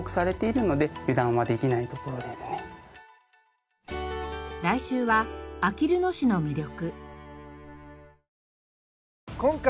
最近来週はあきる野市の魅力。